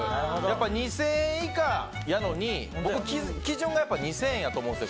２０００円以下やのに僕、基準が２０００円だと思うんですよ。